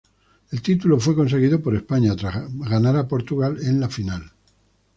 El título fue conseguido por España tras ganar a Portugal en la final.